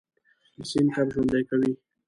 سیند کب ژوندی کوي.